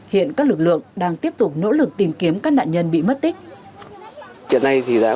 hiện các lực lượng đang tiếp tục nỗ lực tìm kiếm các nạn nhân bị mất tích